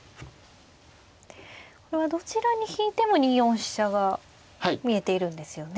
これはどちらに引いても２四飛車が見えているんですよね。